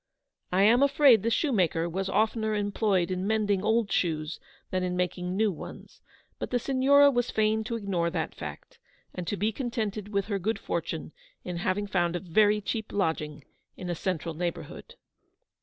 I am afraid the shoemaker was oftener employed in mending old shoes than in making new ones, but the Signora was fain to ignore that fact, and to be contented with her good fortune in having found a very cheap lodging in a central neigh bourhood.